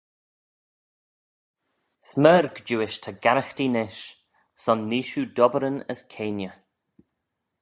Smerg diuish ta garaghtee nish: son nee shiu dobberan as keayney.